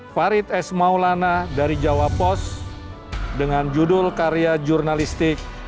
farid s maulana dari jawa post dengan judul karya jurnalistik